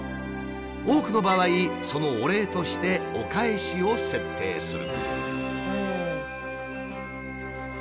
多くの場合そのお礼としてお返しを設定する。